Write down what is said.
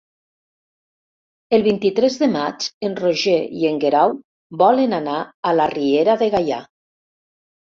El vint-i-tres de maig en Roger i en Guerau volen anar a la Riera de Gaià.